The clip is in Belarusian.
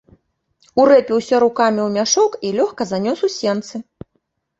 Урэпіўся рукамі ў мяшок і лёгка занёс у сенцы.